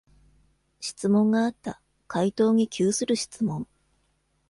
質問があった。回答に窮する質問。